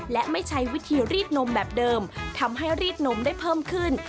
และไม่ใช้วิธีรีดนมแบบเดิมทำให้รีดนมได้เพิ่มขึ้น